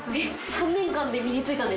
３年間で身に付いたんですか？